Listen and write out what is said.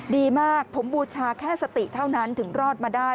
ดีมากผมบูชาแค่สติเท่านั้นถึงรอดมาได้